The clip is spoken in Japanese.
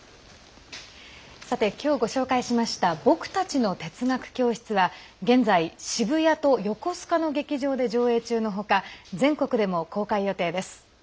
今日、ご紹介しました「ぼくたちの哲学教室」は現在、渋谷と横須賀の劇場で上映中の他全国でも公開予定です。